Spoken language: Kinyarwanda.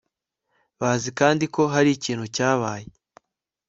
bazi kandi ko hari ikintu cyabaye